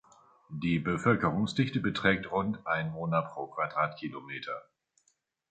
Die Bevölkerungsdichte beträgt rund Einwohner pro Quadratkilometer.